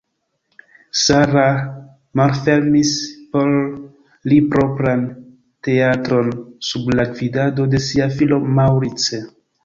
Sarah malfermis por li propran teatron sub la gvidado de sia filo Maurice.